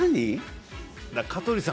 香取さん